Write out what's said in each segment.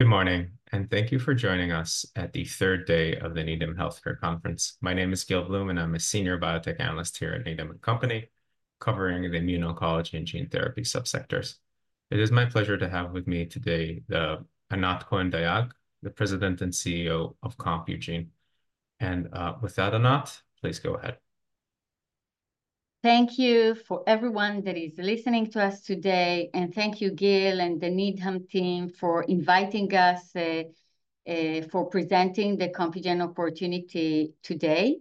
Good morning, and thank you for joining us at the 3rd day of the Needham Healthcare Conference. My name is Gil Blum, and I'm a senior biotech analyst here at Needham & Company, covering the immuno-oncology and gene therapy subsectors. It is my pleasure to have with me today Anat Cohen-Dayag, the President and CEO of Compugen. And without further ado, please go ahead. Thank you for everyone that is listening to us today, and thank you, Gil and the Needham team, for inviting us for presenting the Compugen opportunity today.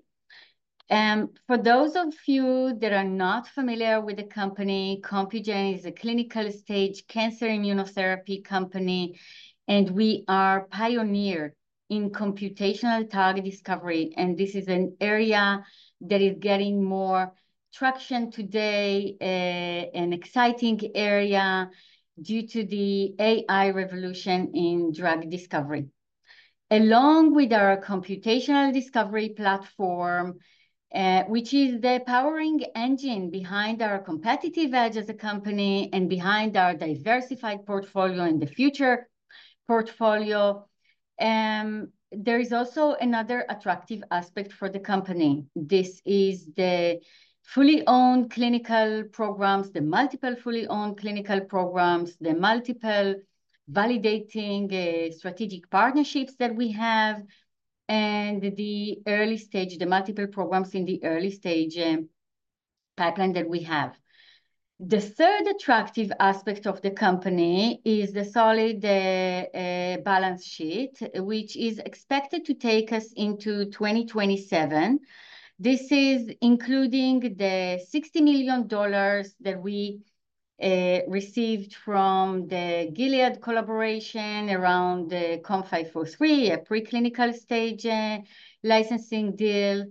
For those of you that are not familiar with the company, Compugen is a clinical stage cancer immunotherapy company. We are pioneers in computational target discovery, and this is an area that is getting more traction today, an exciting area due to the AI revolution in drug discovery. Along with our computational discovery platform, which is the powering engine behind our competitive edge as a company and behind our diversified portfolio in the future portfolio. There is also another attractive aspect for the company. This is the fully owned clinical programs, the multiple fully owned clinical programs, the multiple validating strategic partnerships that we have. The early stage, the multiple programs in the early stage pipeline that we have. The 3rd attractive aspect of the company is the solid balance sheet, which is expected to take us into 2027. This is including the $60 million that we received from the Gilead collaboration around the COM543, a preclinical stage licensing deal.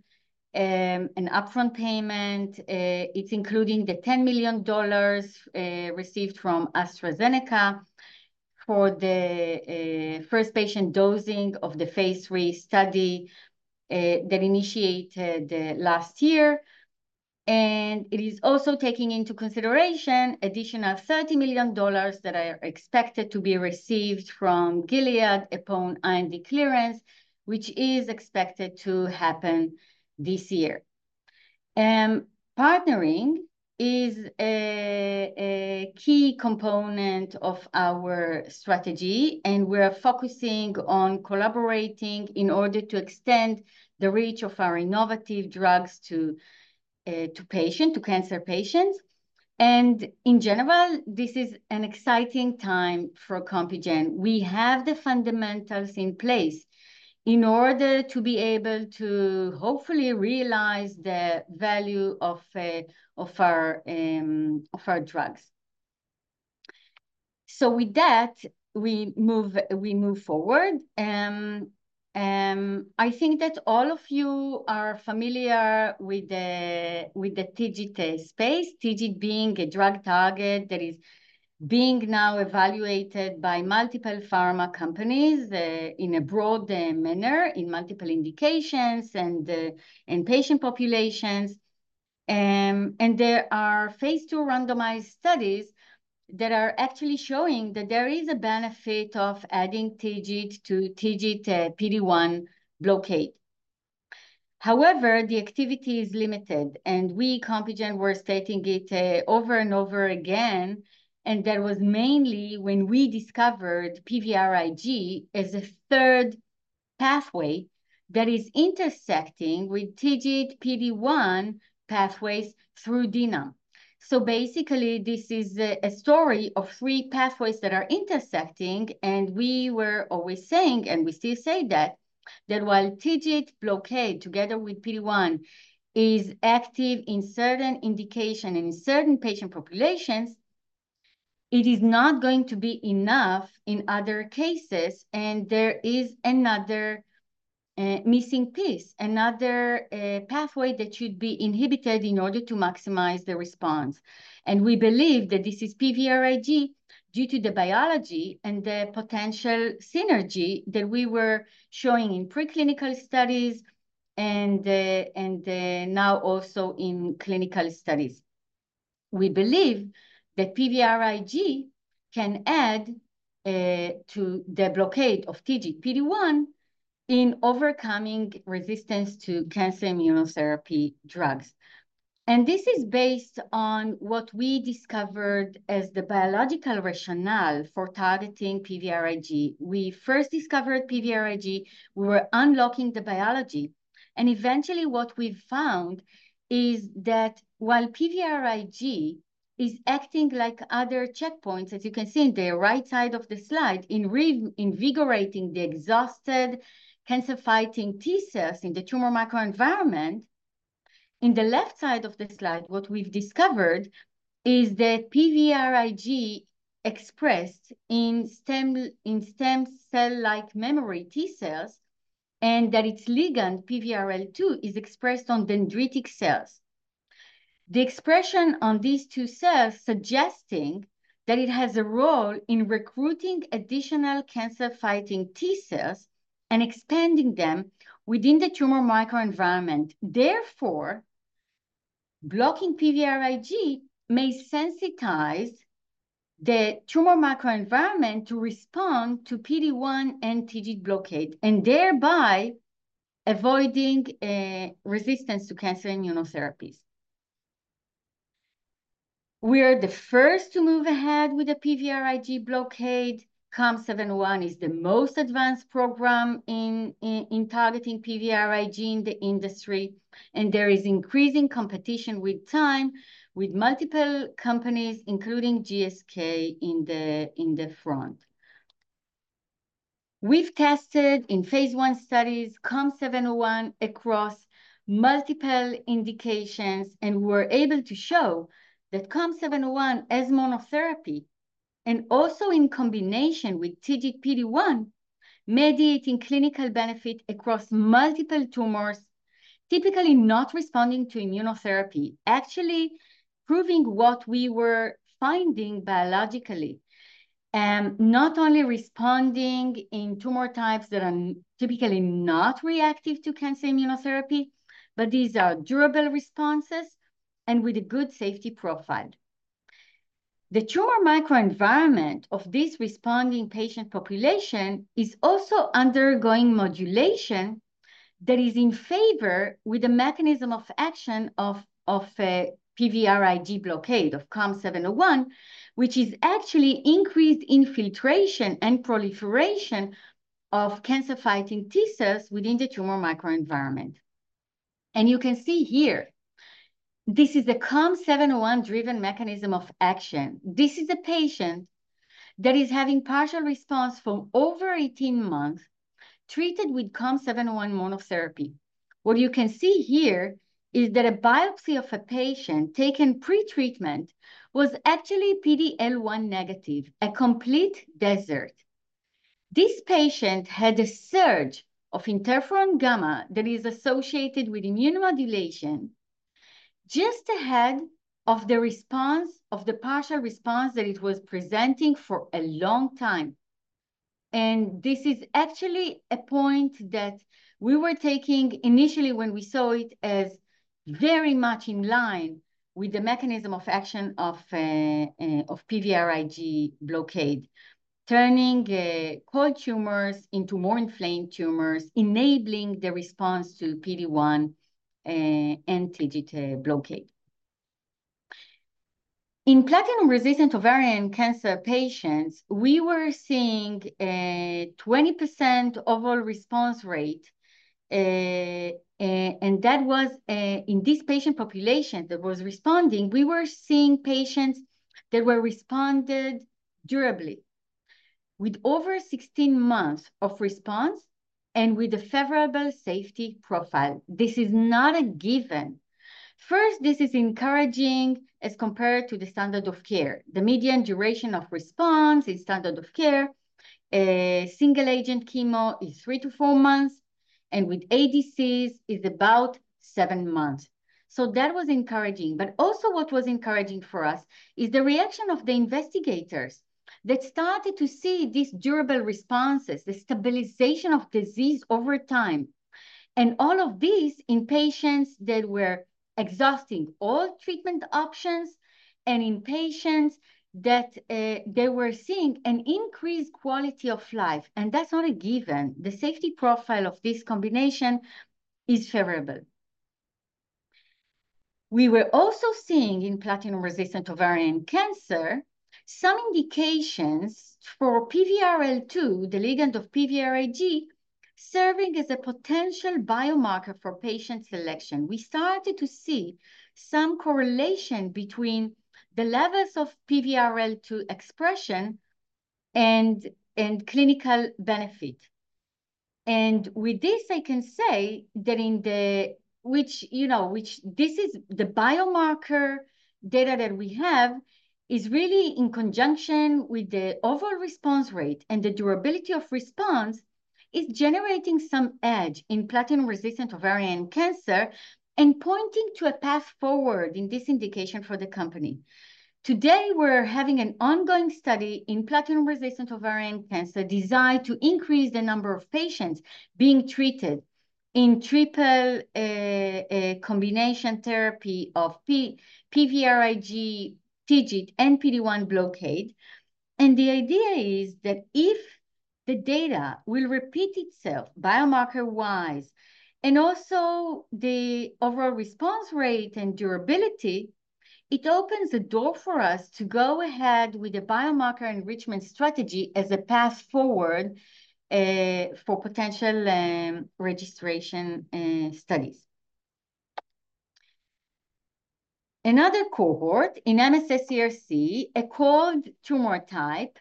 An upfront payment. It's including the $10 million received from AstraZeneca for the first patient dosing of the Phase III study that initiated last year. It is also taking into consideration additional $30 million that are expected to be received from Gilead upon IND clearance, which is expected to happen this year. Partnering is a key component of our strategy, and we're focusing on collaborating in order to extend the reach of our innovative drugs to patients, to cancer patients. In general, this is an exciting time for Compugen. We have the fundamentals in place in order to be able to hopefully realize the value of our drugs. So with that, we move, we move forward. I think that all of you are familiar with the TIGIT space, TIGIT being a drug target that is being now evaluated by multiple pharma companies in a broad manner, in multiple indications and patient populations. And there are Phase II randomized studies that are actually showing that there is a benefit of adding TIGIT to TIGIT PD-1 blockade. However, the activity is limited, and we Compugen were stating it over and over again. And that was mainly when we discovered PVRIG as a 3rd pathway that is intersecting with TIGIT PD-1 pathways through DNAM. So basically, this is a story of 3 pathways that are intersecting, and we were always saying, and we still say that. That while TIGIT blockade together with PD-1 is active in certain indication and in certain patient populations, it is not going to be enough in other cases, and there is another missing piece, another pathway that should be inhibited in order to maximize the response. We believe that this is PVRIG due to the biology and the potential synergy that we were showing in preclinical studies, and now also in clinical studies. We believe that PVRIG can add to the blockade of TIGIT PD-1 in overcoming resistance to cancer immunotherapy drugs. This is based on what we discovered as the biological rationale for targeting PVRIG. We first discovered PVRIG. We were unlocking the biology. And eventually what we've found is that while PVRIG is acting like other checkpoints, as you can see in the right side of the slide, in reinvigorating the exhausted cancer fighting T cells in the tumor microenvironment. In the left side of the slide, what we've discovered is that PVRIG expressed in stem cell-like memory T cells. And that its ligand, PVRL2, is expressed on dendritic cells. The expression on these two cells suggests that it has a role in recruiting additional cancer fighting T cells and expanding them within the tumor microenvironment. Therefore, blocking PVRIG may sensitize the tumor microenvironment to respond to PD-1 and TIGIT blockade, and thereby avoiding resistance to cancer immunotherapies. We are the first to move ahead with the PVRIG blockade. COM701 is the most advanced program in targeting PVRIG in the industry, and there is increasing competition with time, with multiple companies, including GSK, in the front. We've tested in Phase I studies COM701 across multiple indications, and we were able to show that COM701 as monotherapy. And also in combination with TIGIT PD-1, mediating clinical benefit across multiple tumors. Typically not responding to immunotherapy, actually proving what we were finding biologically. Not only responding in tumor types that are typically not reactive to cancer immunotherapy, but these are durable responses. And with a good safety profile. The tumor microenvironment of this responding patient population is also undergoing modulation. That is in favor with the mechanism of action of PVRIG blockade of COM701, which is actually increased infiltration and proliferation of cancer fighting T cells within the tumor microenvironment. And you can see here. This is the COM701 driven mechanism of action. This is a patient that is having partial response for over 18 months. Treated with COM701 monotherapy. What you can see here is that a biopsy of a patient taken pre-treatment was actually PD-L1 negative, a complete desert. This patient had a surge of interferon gamma that is associated with immune modulation. Just ahead of the response of the partial response that it was presenting for a long time. And this is actually a point that we were taking initially when we saw it as very much in line with the mechanism of action of PVRIG blockade. Turning cold tumors into more inflamed tumors, enabling the response to PD-1 and TIGIT blockade. In platinum resistant ovarian cancer patients, we were seeing a 20% overall response rate. And that was in this patient population that was responding. We were seeing patients that were responded durably with over 16 months of response and with a favorable safety profile. This is not a given. First, this is encouraging as compared to the standard of care. The median duration of response in standard of care single agent chemo is 3-4 months, and with ADCs is about 7 months. So that was encouraging. But also what was encouraging for us is the reaction of the investigators that started to see these durable responses, the stabilization of disease over time, and all of this in patients that were exhausting all treatment options and in patients that they were seeing an increased quality of life. And that's not a given. The safety profile of this combination is favorable. We were also seeing in platinum resistant ovarian cancer some indications for PVRL2, the ligand of PVRIG, serving as a potential biomarker for patient selection. We started to see some correlation between the levels of PVRL2 expression and clinical benefit. And with this, I can say that in the which you know, which this is the biomarker data that we have is really in conjunction with the overall response rate and the durability of response. It's generating some edge in platinum resistant ovarian cancer and pointing to a path forward in this indication for the company. Today we're having an ongoing study in platinum resistant ovarian cancer designed to increase the number of patients being treated in triple combination therapy of PVRIG, TIGIT, and PD-1 blockade. And the idea is that if the data will repeat itself biomarker wise and also the overall response rate and durability. It opens the door for us to go ahead with a biomarker enrichment strategy as a path forward for potential registration studies. Another cohort in MSS-CRC, a cold tumor type.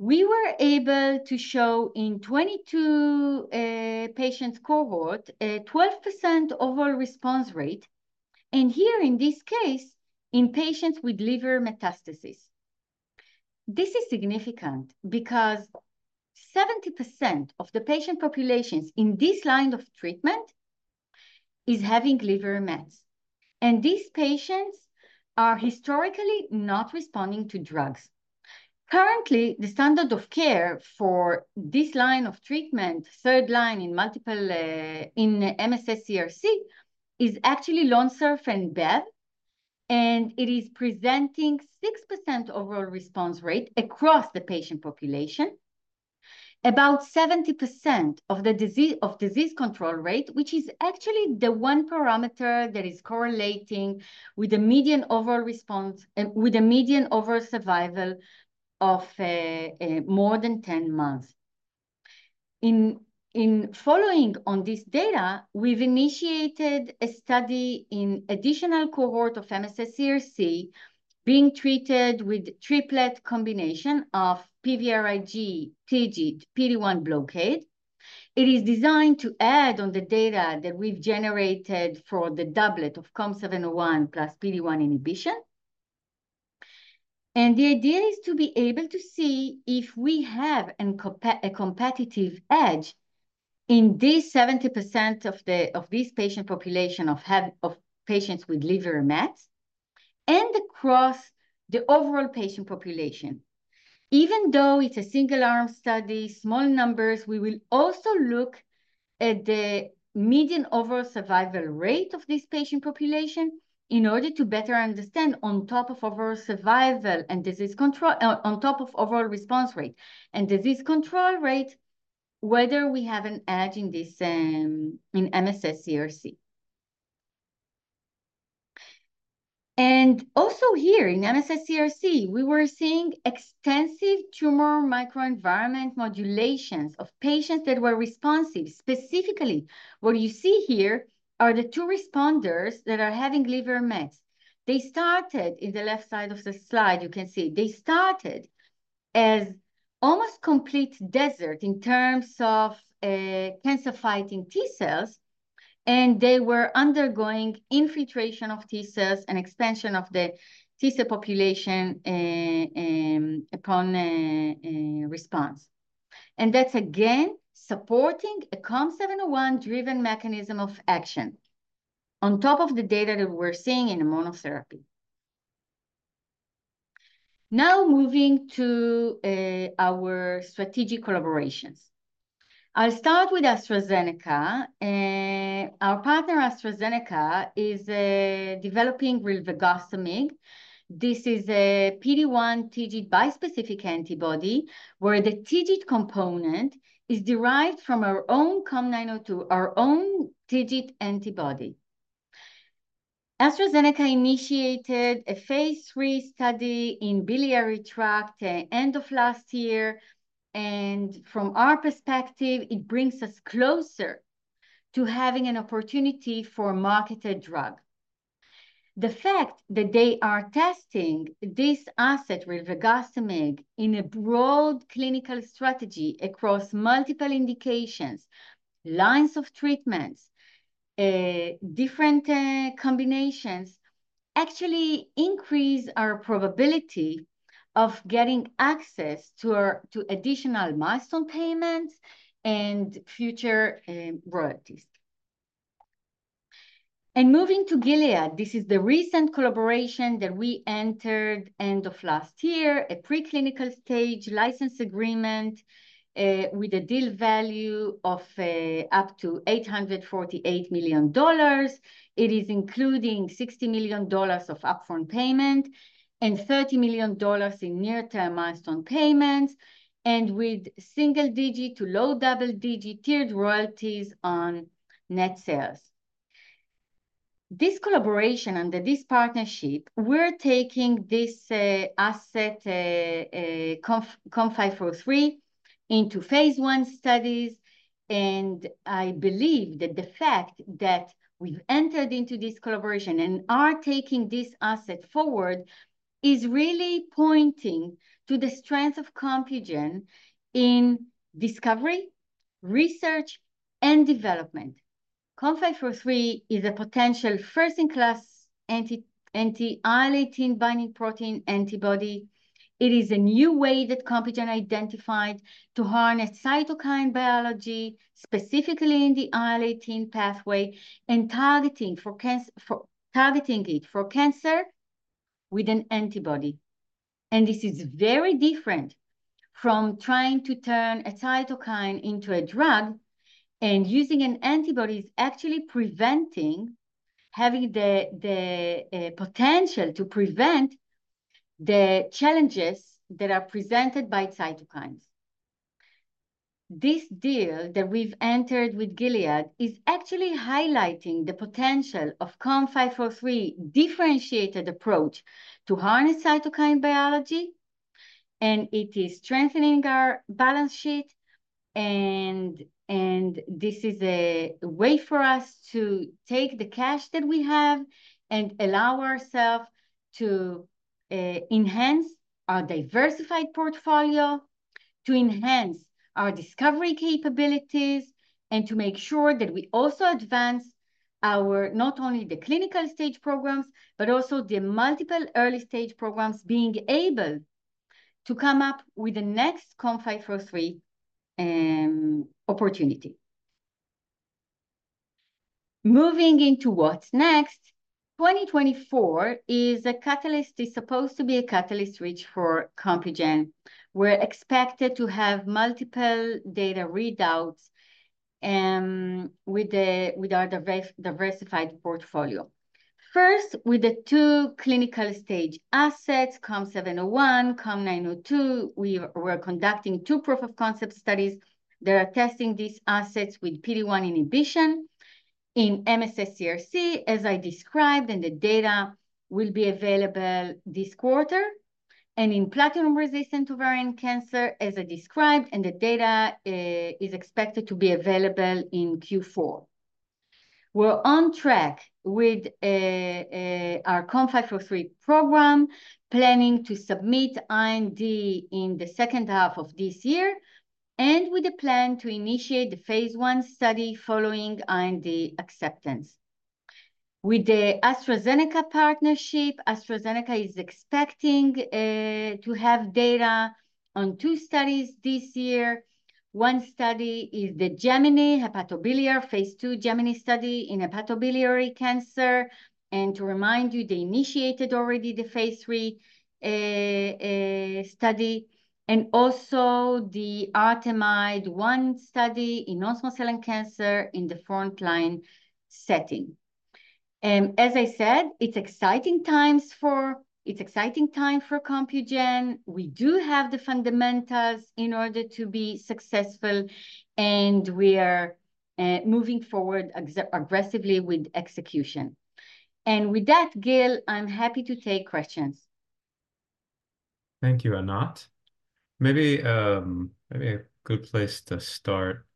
We were able to show in 22 patients cohort a 12% overall response rate. And here in this case, in patients with liver metastasis. This is significant because 70% of the patient populations in this line of treatment is having liver mets. And these patients are historically not responding to drugs. Currently, the standard of care for this line of treatment, 3rd line in m-MSS-CRC, is actually Lonsurf and Bev. And it is presenting 6% overall response rate across the patient population. About 70% disease control rate, which is actually the one parameter that is correlating with the median overall response and with the median overall survival of more than 10 months. Following on this data, we've initiated a study in additional cohort of MSS-CRC being treated with triplet combination of PVRIG, TIGIT, PD-1 blockade. It is designed to add on the data that we've generated for the doublet of COM701 plus PD-1 inhibition. The idea is to be able to see if we have a competitive edge in this 70% of this patient population of patients with liver mets across the overall patient population. Even though it's a single arm study, small numbers, we will also look at the median overall survival rate of this patient population in order to better understand on top of overall survival and disease control on top of overall response rate and disease control rate whether we have an edge in MSS-CRC. And also here in MSS-CRC, we were seeing extensive tumor microenvironment modulations of patients that were responsive specifically. What you see here are the two responders that are having liver mets. They started in the left side of the slide. You can see they started as almost complete desert in terms of cancer fighting T cells. And they were undergoing infiltration of T cells and expansion of the T cell population upon response. And that's again supporting a COM701 driven mechanism of action. On top of the data that we're seeing in a monotherapy. Now moving to our strategic collaborations. I'll start with AstraZeneca. And our partner AstraZeneca is developing rilvegostomig. This is a PD-1/TIGIT bispecific antibody where the TIGIT component is derived from our own COM902, our own TIGIT antibody. AstraZeneca initiated a Phase III study in biliary tract end of last year. From our perspective, it brings us closer to having an opportunity for a marketed drug. The fact that they are testing this asset, rilvegostomig, in a broad clinical strategy across multiple indications, lines of treatment, different combinations actually increases our probability of getting access to additional milestone payments and future royalties. And moving to Gilead, this is the recent collaboration that we entered end of last year, a preclinical stage license agreement with a deal value of up to $848 million, including $60 million upfront payment and $30 million in near-term milestone payments, and with single-digit to low double-digit tiered royalties on net sales. This collaboration under this partnership, we're taking this asset COM543 into Phase I studies. And I believe that the fact that we've entered into this collaboration and are taking this asset forward. is really pointing to the strength of Compugen in discovery, research, and development. COM543 is a potential first-in-class anti-IL-18 binding protein antibody. It is a new way that Compugen identified to harness cytokine biology, specifically in the IL-18 pathway, and targeting for cancer for targeting it for cancer with an antibody. And this is very different from trying to turn a cytokine into a drug. And using an antibody is actually preventing, having the potential to prevent the challenges that are presented by cytokines. This deal that we've entered with Gilead is actually highlighting the potential of COM543 differentiated approach to harness cytokine biology. And it is strengthening our balance sheet. And this is a way for us to take the cash that we have and allow ourselves to enhance our diversified portfolio, to enhance our discovery capabilities, and to make sure that we also advance. Not only our clinical stage programs, but also the multiple early stage programs being able to come up with the next COM543 opportunity. Moving into what's next. 2024 is supposed to be a catalyst-rich year for Compugen. We're expected to have multiple data readouts with our diversified portfolio. First, with the 2 clinical stage assets, COM 701, COM 902, we are conducting 2 proof of concept studies. They are testing these assets with PD-1 inhibition in MSS-CRC, as I described, and the data will be available this quarter. And in platinum resistant ovarian cancer, as I described, and the data is expected to be available in Q4. We're on track with our COM543 program, planning to submit IND in the second half of this year, and with a plan to initiate the Phase I study following IND acceptance. With the AstraZeneca partnership, AstraZeneca is expecting to have data on 2 studies this year. One study is the GEMINI hepatobiliary Phase II GEMINI study in hepatobiliary cancer. And to remind you, they initiated already the Phase III study. And also the ARTEMIDE-01 study in hepatocellular cancer in the frontline setting. And as I said, it's exciting times for it's exciting time for Compugen. We do have the fundamentals in order to be successful. And we are moving forward aggressively with execution. And with that, Gil, I'm happy to take questions. Thank you, Anat. Maybe, maybe a good place to start.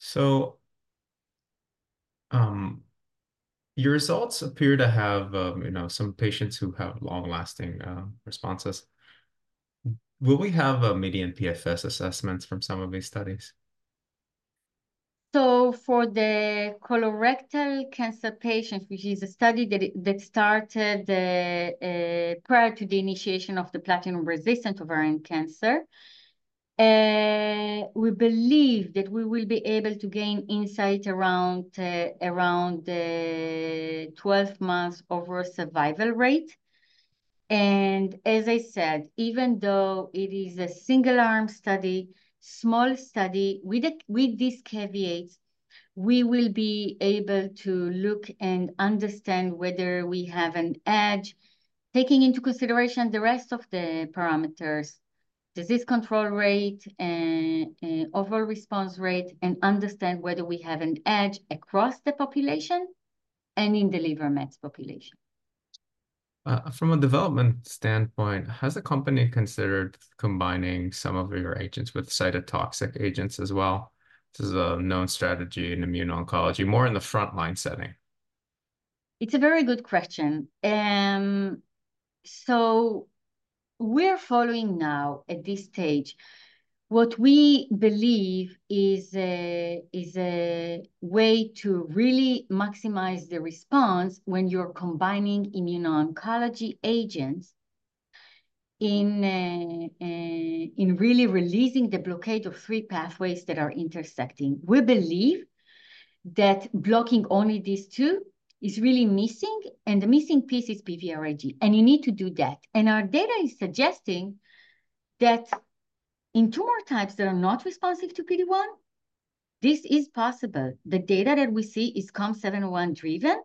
So, your results appear to have, you know, some patients who have long-lasting responses. Will we have a median PFS assessments from some of these studies? So for the colorectal cancer patients, which is a study that started prior to the initiation of the platinum resistant ovarian cancer. We believe that we will be able to gain insight around the 12 months overall survival rate. And as I said, even though it is a single arm study, small study with these caveats. We will be able to look and understand whether we have an edge, taking into consideration the rest of the parameters: disease control rate and overall response rate, and understand whether we have an edge across the population. And in the liver mets population. From a development standpoint, has a company considered combining some of your agents with cytotoxic agents as well? This is a known strategy in immune oncology, more in the front line setting. It's a very good question. So, we're following now at this stage. What we believe is a way to really maximize the response when you're combining immune oncology agents. In really releasing the blockade of 3 pathways that are intersecting. We believe that blocking only these 2 is really missing, and the missing piece is PVRIG, and you need to do that. And our data is suggesting that in tumor types that are not responsive to PD-1 this is possible. The data that we see is COM701 driven.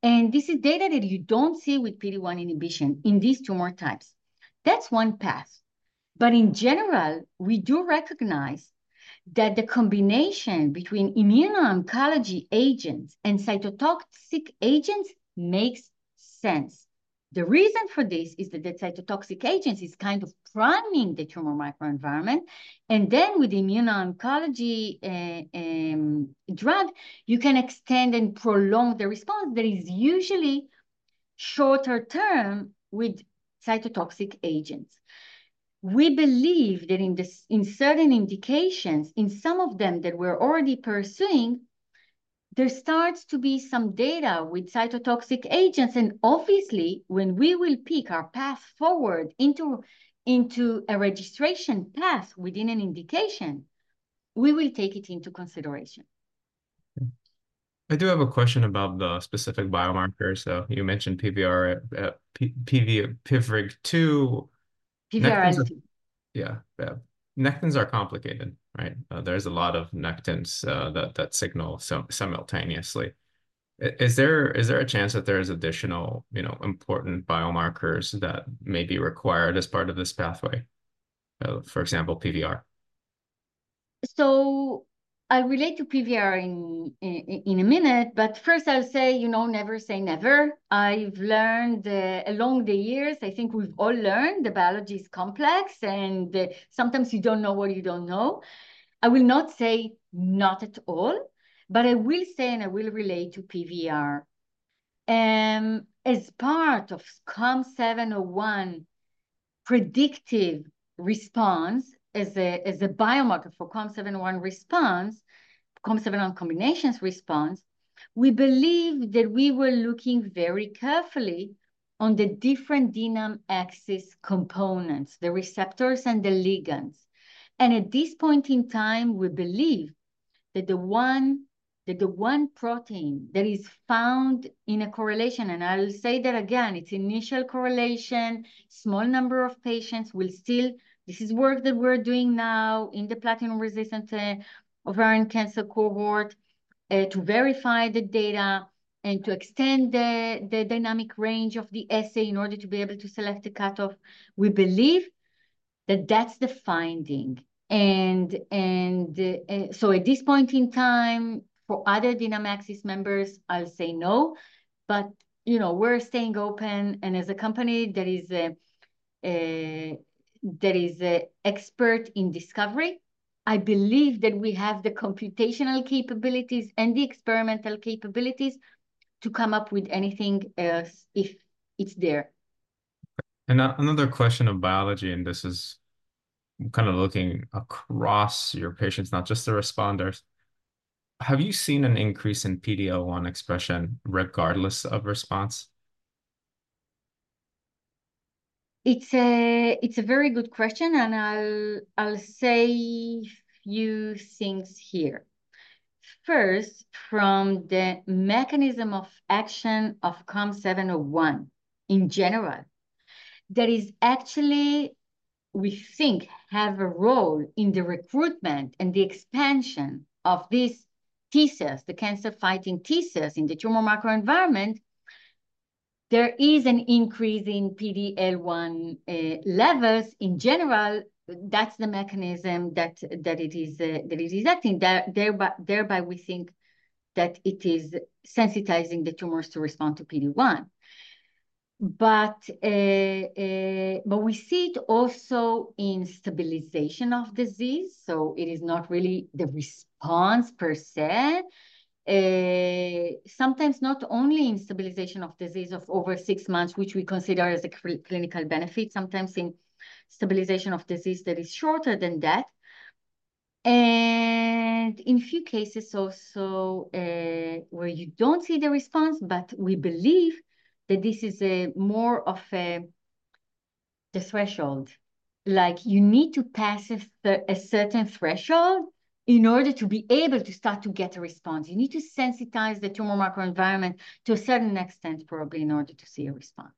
And this is data that you don't see with PD-1 inhibition in these tumor types. That's one path. But in general, we do recognize that the combination between immune oncology agents and cytotoxic agents makes sense. The reason for this is that the cytotoxic agents is kind of priming the tumor microenvironment. And then with immune oncology drug, you can extend and prolong the response that is usually. Shorter term with cytotoxic agents. We believe that in certain indications, in some of them that we're already pursuing. There starts to be some data with cytotoxic agents. And obviously, when we will pick our path forward into a registration path within an indication. We will take it into consideration. I do have a question about the specific biomarkers. So you mentioned PVRL2. PVRL2. Yeah, PVRL2. Nectins are complicated, right? There's a lot of nectins that signal simultaneously. Is there a chance that there is additional, you know, important biomarkers that may be required as part of this pathway? For example, PVR. So. I relate to PVR in a minute, but first I'll say, you know, never say never. I've learned along the years. I think we've all learned the biology is complex, and sometimes you don't know what you don't know. I will not say not at all. But I will say, and I will relate to PVRL2. As part of COM701. PVRL2 as a biomarker for COM701 response. COM701 combinations response. We believe that we were looking very carefully on the different DNAM-1 axis components, the receptors and the ligands. And at this point in time, we believe that the one protein that is found in a correlation, and I'll say that again, it's initial correlation. Small number of patients, we'll still. This is work that we're doing now in the platinum resistant ovarian cancer cohort to verify the data and to extend the dynamic range of the assay in order to be able to select a cutoff. We believe. That's the finding, and so at this point in time for other DNAM-1 axis members, I'll say no. But you know, we're staying open, and as a company that is an expert in discovery. I believe that we have the computational capabilities and the experimental capabilities to come up with anything else if it's there. And another question of biology, and this is kind of looking across your patients, not just the responders. Have you seen an increase in PD-1 expression, regardless of response? It's a very good question, and I'll say. If you think here first, from the mechanism of action of COM701. In general. That is actually. We think have a role in the recruitment and the expansion of these T cells, the cancer fighting T cells in the tumor microenvironment. There is an increase in PD-L1 levels in general. That's the mechanism that it is acting there. Thereby we think that it is sensitizing the tumors to respond to PD-1. But we see it also in stabilization of disease. So it is not really the response per se. Sometimes not only in stabilization of disease of over six months, which we consider as a clinical benefit, sometimes in stabilization of disease that is shorter than that. And in few cases also where you don't see the response. But we believe that this is more of a threshold. Like you need to pass a certain threshold in order to be able to start to get a response. You need to sensitize the tumor microenvironment to a certain extent, probably in order to see a response.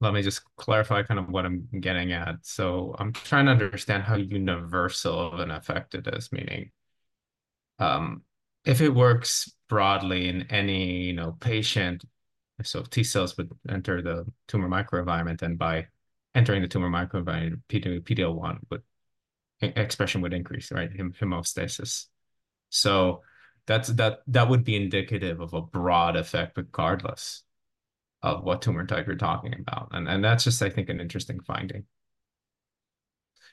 Let me just clarify kind of what I'm getting at. So I'm trying to understand how universal of an effect it is, meaning if it works broadly in any, you know, patient. So if T cells would enter the tumor microenvironment, and by entering the tumor microenvironment, PD-L1 expression would increase, right? So that's that would be indicative of a broad effect, regardless of what tumor type you're talking about, and that's just, I think, an interesting finding.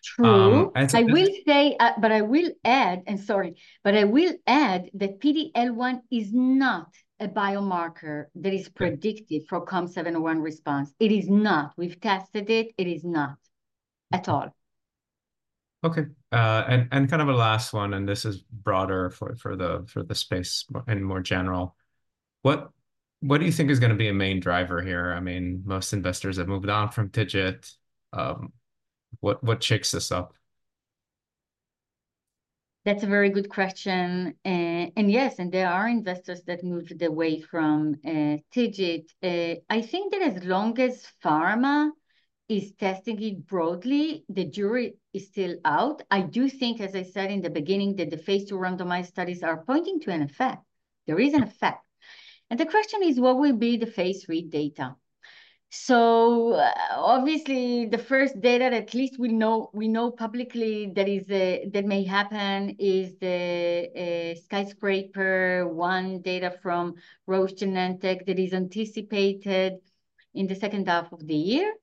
True. I will say, but I will add, and sorry, but I will add that PD-L1 is not a biomarker that is predictive for COM701 response. It is not. We've tested it. It is not at all. Okay, and kind of a last one, and this is broader for the space and more general. What. What do you think is gonna be a main driver here? I mean, most investors have moved on from TIGIT. What what shakes this up? That's a very good question. And yes, and there are investors that move away from TIGIT. I think that as long as pharma is testing it broadly, the jury is still out. I do think, as I said in the beginning, that the Phase III randomized studies are pointing to an effect. There is an effect. And the question is, what will be the Phase III data? So obviously the first data that at least we know we know publicly that is that may happen is the Skyscraper-01 data from Roche/Genentech that is anticipated in the second half of the year. And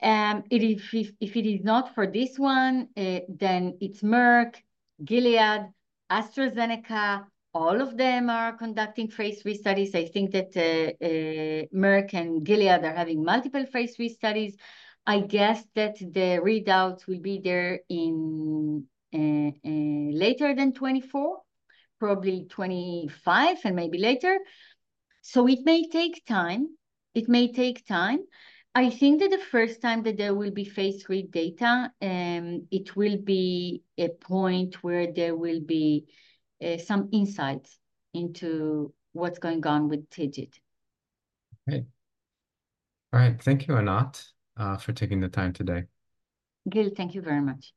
it is, if if it is not for this one, then it's Merck. Gilead. AstraZeneca. All of them are conducting Phase III studies. I think that Merck and Gilead are having multiple Phase III studies. I guess that the readouts will be there in later than 2024. Probably 2025, and maybe later. So it may take time. It may take time. I think that the first time that there will be Phase III data, and it will be a point where there will be some insights into what's going on with TIGIT. Okay. Alright. Thank you, Anat, for taking the time today. Gil, thank you very much.